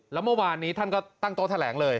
แล้วเมื่อวานนี้ท่านก็ตั้งโต๊ะแถลงเลย